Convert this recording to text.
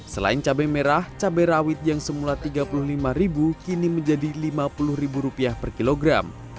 selain cabai merah cabai rawit yang semula rp tiga puluh lima kini menjadi rp lima puluh per kilogram